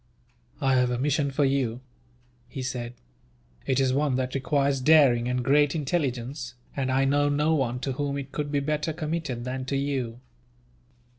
"I have a mission for you," he said. "It is one that requires daring and great intelligence, and I know no one to whom it could be better committed than to you.